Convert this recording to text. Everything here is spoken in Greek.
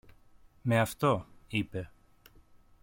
Με αυτό, είπε.